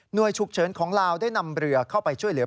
โดยฉุกเฉินของลาวได้นำเรือเข้าไปช่วยเหลือ